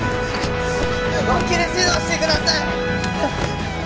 本気で指導してください！